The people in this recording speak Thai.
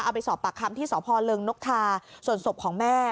เอาไปสอบปากคำที่สพเริงนกทาส่วนศพของแม่